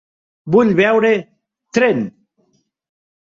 Vull veure "Tren".